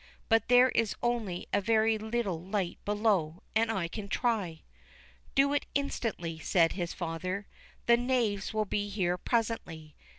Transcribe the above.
But there is only a very little light below, and I can try." "Do so instantly," said his father; "the knaves will be here presently."